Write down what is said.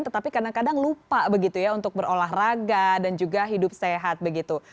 tetapi kadang kadang lupa begitu ya untuk berolahraga dan juga hidup sehat begitu